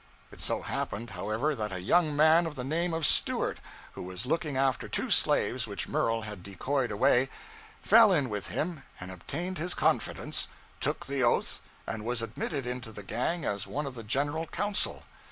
It so happened, however, that a young man of the name of Stewart, who was looking after two slaves which Murel had decoyed away, fell in with him and obtained his confidence, took the oath, and was admitted into the gang as one of the General Council.